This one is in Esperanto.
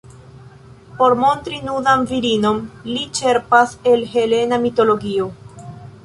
Por montri nudan virinon, li ĉerpas el Helena mitologio.